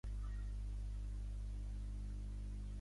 Com el manxol de Llívia, que menjava sopes amb el braç.